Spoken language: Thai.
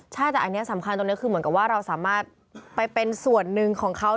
ใช่แต่อันนี้สำคัญตรงนี้คือเหมือนกับว่าเราสามารถไปเป็นส่วนหนึ่งของเขา